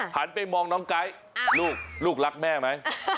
หันไปมองน้องไก๊ลูกลูกรักแม่ไหม